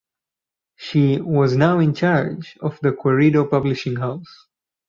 She "was now in charge" of the Querido publishing house.